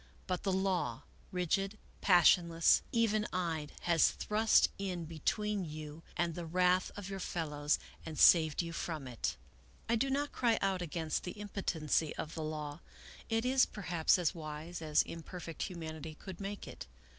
But the law, rigid, passionless, even eyed, has thrust in between you and the wrath of your fellows and saved you from it. I do not cry out against the impotency of the law; it is perhaps as wise as imperfect humanity could make it.